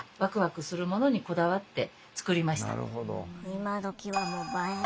今どきはもう映え。